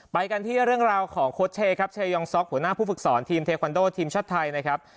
ไปกันที่เรื่องราวของโค้ชเชครับเชยองซ็อกหัวหน้าผู้ฝึกสอนทีมเทควันโดทีมชาติไทยนะครับ